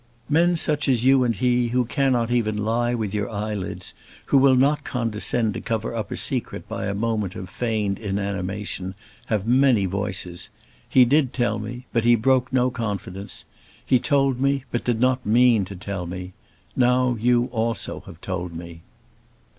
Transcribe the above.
"Men such as you and he, who cannot even lie with your eyelids, who will not condescend to cover up a secret by a moment of feigned inanimation, have many voices. He did tell me; but he broke no confidence. He told me, but did not mean to tell me. Now you also have told me."